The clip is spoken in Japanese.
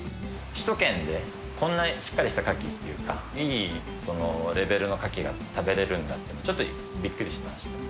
首都圏でこんなしっかりしたカキっていうか、いいレベルのカキが食べれるんだって、ちょっとびっくりしました。